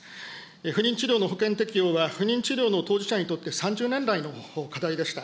不妊治療の保険適用は、不妊治療の当事者にとって３０年来の課題でした。